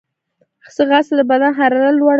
ځغاسته د بدن حرارت لوړوي